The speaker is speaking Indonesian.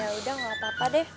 yaudah gak apa apa deh